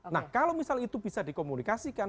nah kalau misal itu bisa dikomunikasikan